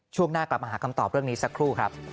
ช่วงหน้ากลับมาหาคำตอบเรื่องนี้สักครู่ครับ